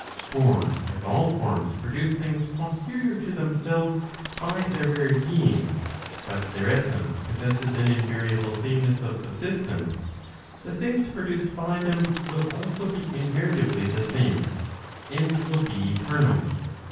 For if all forms produce things posterior to themselves by their very being, but their essence possesses Rn invariable sameness of subsistence, the things produced by them will also be invariably the same, and will be eternal.